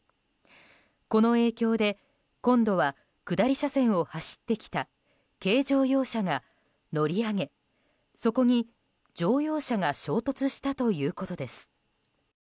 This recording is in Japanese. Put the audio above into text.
この影響で今度は下り車線を走ってきた軽乗用車が乗り上げそこに乗用車が衝突したということです。